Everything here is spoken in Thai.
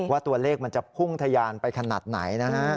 ว่าตัวเลขมันจะพุ่งทะยานไปขนาดไหนนะฮะ